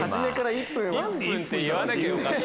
１分って言わなきゃよかった。